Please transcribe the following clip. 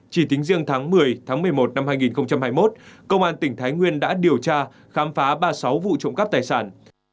chỉ tính riêng tháng một mươi tháng một mươi một năm hai nghìn hai mươi một công an tỉnh thái nguyên đã điều tra khám phá ba mươi sáu vụ trộm cắp tài sản